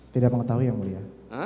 tidak mengetahui yang mulia